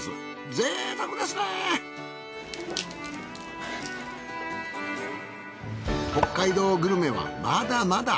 ぜいたくですね北海道グルメはまだまだ。